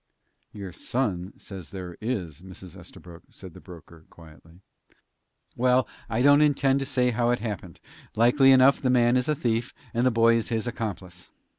"Your son says there is, Mrs. Estabrook," said the broker, quietly. "Well, I don't intend to say how it happened. Likely enough the man is a thief, and that boy is his accomplice."